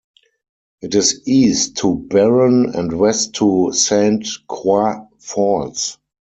It is east to Barron and west to Saint Croix Falls.